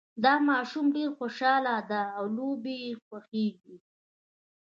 دا ماشوم ډېر خوشحاله ده او لوبې یې خوښیږي